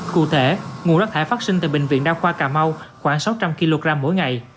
cụ thể nguồn rác thải phát sinh tại bệnh viện đa khoa cà mau khoảng sáu trăm linh kg mỗi ngày